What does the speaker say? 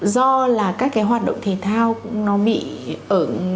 do là các cái hoạt động thể thao nó bị ở